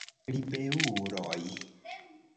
Ribeuloj